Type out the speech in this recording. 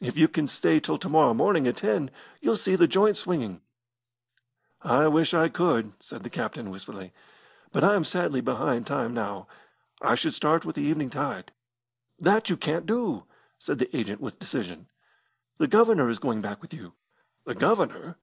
If you can stay till to morrow morning at ten, you'll see the joint swinging." "I wish I could," said the captain, wistfully, "but I am sadly behind time now. I should start with the evening tide." "That you can't do," said the agent with decision. "The Governor is going back with you." "The Governor!"